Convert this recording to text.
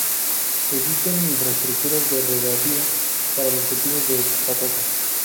Existen infraestructuras de regadío para los cultivos de patata.